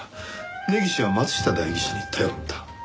根岸は松下代議士に頼った。